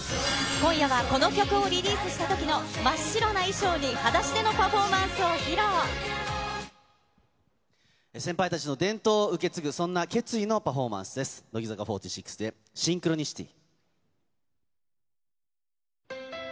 今夜は、この曲をリリースしたときの真っ白な衣装に、はだしでのパフォー先輩たちの伝統を受け継ぐ、そんな決意のパフォーマンスです、乃木坂４６でシンクロニシティ。